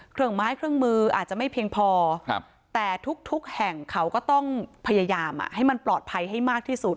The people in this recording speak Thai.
เครื่องไม้เครื่องมืออาจจะไม่เพียงพอแต่ทุกแห่งเขาก็ต้องพยายามให้มันปลอดภัยให้มากที่สุด